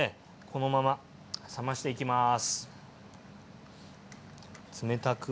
このまま冷ましていきます。